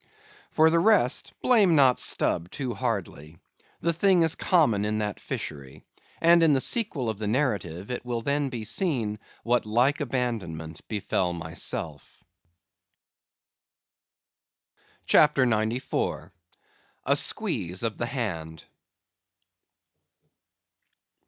For the rest, blame not Stubb too hardly. The thing is common in that fishery; and in the sequel of the narrative, it will then be seen what like abandonment befell myself. CHAPTER 94. A Squeeze of the Hand.